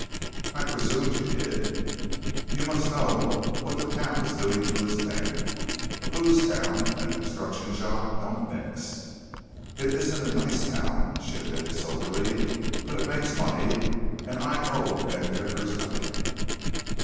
"I presumed you did." "You must know what the town is doing to his men. A booze town and a construction job don't mix." "It isn't a nice town," she admitted soberly. "But it makes money. And I owe Ben Vickers nothing."